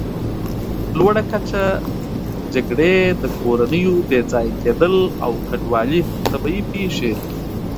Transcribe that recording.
لوړه کچه، جګړې، د کورنیو بېځایه کېدل او کډوالي، طبیعي پېښې